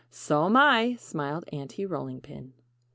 "So'm I!" smiled Aunty Rolling Pin.